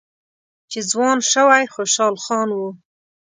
چې ځوان شوی خوشحال خان و